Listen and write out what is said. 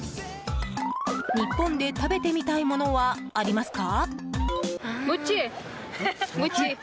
日本で食べてみたいものはありますか？